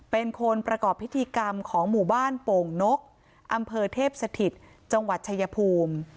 เป็นคนประกอบพิธีกรรมของหมู่บ้านโป่งนกอำเภอเทพสถิตจังหวัดชายภูมิ